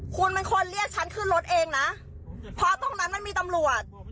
คุณเป็นคนเรียกฉันขึ้นรถเองนะเพราะตรงนั้นมันมีตำรวจ